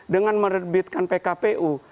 dengan merebitkan pkpu